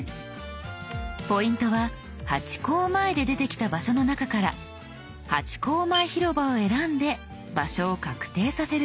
ポイントは「ハチ公前」で出てきた場所の中から「ハチ公前広場」を選んで場所を確定させること。